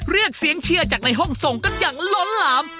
เรียกเสียงเชียร์จากในห้องส่งกันอย่างล้นหลาม